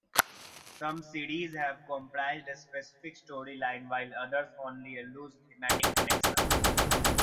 Some series have comprised a specific storyline while others only a loose thematic connection.